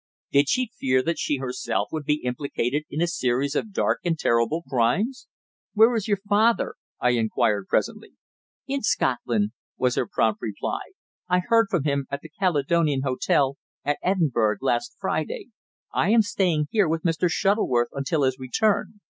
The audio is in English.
Did she fear that she herself would be implicated in a series of dark and terrible crimes? "Where is your father?" I inquired presently. "In Scotland," was her prompt reply. "I heard from him at the Caledonian Hotel, at Edinburgh, last Friday. I am staying here with Mr. Shuttleworth until his return."